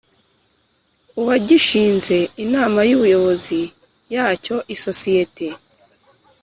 uwagishinze Inama y Ubuyobozi yacyo isosiyete